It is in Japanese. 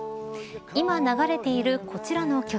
今流れているこちらの曲